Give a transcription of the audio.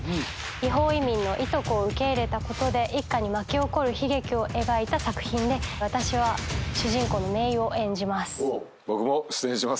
違法移民のいとこを受け入れたことで一家に巻き起こる悲劇を描いた作品で私は主人公のめいを演じます。